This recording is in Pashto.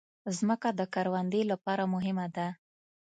مځکه د کروندې لپاره مهمه ده.